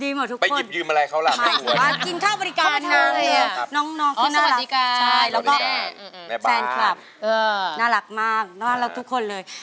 ดีหมดทุกคนครับสวัสดีค่ะพี่แม่แม่ป้าแฟนคลับน่ารักมากว่าเราทุกคนเลย